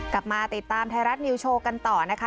กลับมาติดตามไทยรัฐนิวโชว์กันต่อนะคะ